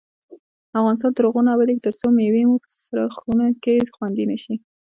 افغانستان تر هغو نه ابادیږي، ترڅو مېوې مو په سړه خونه کې خوندي نشي.